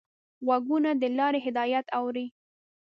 غوږونه د لارې هدایت اوري